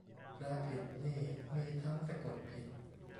แปลผิดนี่มีทั้ง สะกดผิด